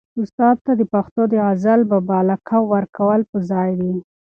استاد ته د پښتو د غزل د بابا لقب ورکول په ځای دي.